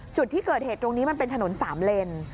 จุดที่เกิดเหตุตรงนี้มันเป็นถนน๓เลน